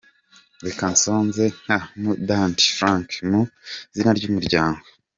Reka nsoze nka Mudandi Frank mu izina ry’Umuryango.